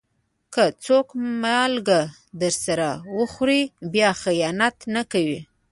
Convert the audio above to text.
که څوک مالګه درسره وخوري، بیا خيانت نه کوي.